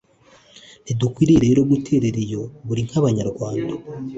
Ntidukwiye rero guterera iyo, buri nk’abanyarwanda